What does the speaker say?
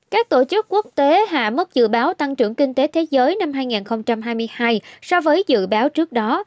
các tổ chức quốc tế hạ mức dự báo tăng trưởng kinh tế thế giới năm hai nghìn hai mươi hai so với dự báo trước đó